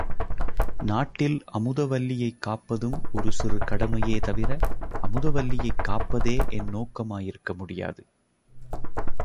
நாட்டில் அமுதவல்லியைக் காப்பதும் ஒரு சிறு கடமையே தவிர அமுதவல்லியைக் காப்பதே என் நோக்கமாயிருக்க முடியாது.